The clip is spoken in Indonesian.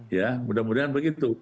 ya mudah mudahan begitu